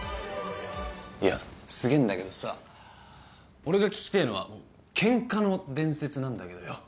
いやすげえんだけどさ俺が聞きてえのはケンカの伝説なんだけどよ。